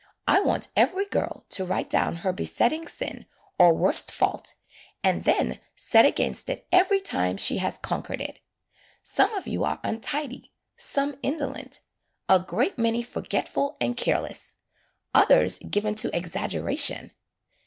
I want every girl to write down her besetting sin or worst fault, and then set against it every time she has conquered it. Some of you are untidy, some indolent, a great many forgetful and careless, others given to exaggeration.